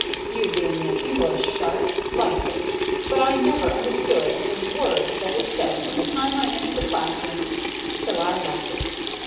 You, being an English shark, liked it; but I never understood a word that was said from the time I entered the classroom till I left it.